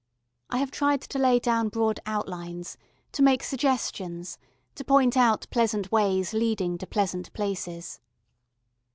I have tried to lay down broad outlines to make suggestions, to point out pleasant ways leading to pleasant places.